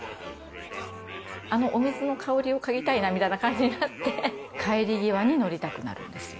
あのお水の香りを嗅ぎたいなみたいな感じになって、帰り際に乗りたくなるんですよ。